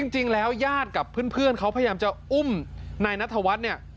จริงแล้วย่าดกับเพื่อนเขาพยายามจะอุ้มนายนัทธวัฒน์เนี่ย